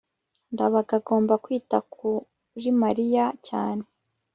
ndabaga agomba kwita kuri mariya cyane